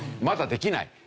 まだできない。